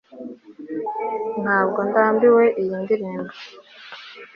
ntabwo ndambiwe iyi ndirimbo